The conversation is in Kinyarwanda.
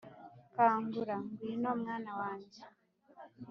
kangura; ngwino, mwana wanjye!